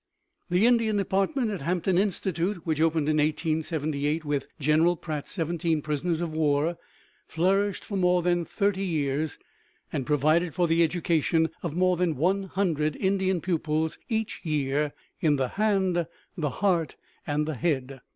The Indian department at Hampton Institute, which opened in 1878 with General Pratt's seventeen prisoners of war, flourished for more than thirty years, and provided for the education of more than one hundred Indian pupils each year in "the hand, the heart, and the head."